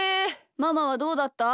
ママはどうだった？